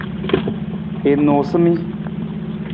I noosa i min.